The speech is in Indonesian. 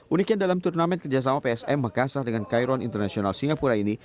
uniknya dalam turnamen kerjasama psm makassar dengan kairon international singapura ini